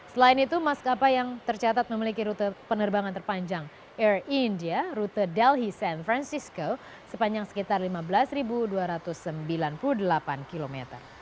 selain itu maskapai yang tercatat memiliki rute penerbangan terpanjang air india rute delhi san francisco sepanjang sekitar lima belas dua ratus sembilan puluh delapan km